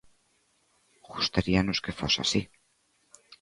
Gustaríanos que fose así.